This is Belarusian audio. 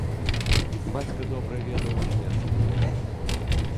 Бацька добра ведаў нямецкую мову.